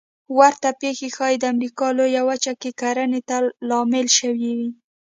ورته پېښې ښایي د امریکا لویه وچه کې کرنې ته لامل شوې وي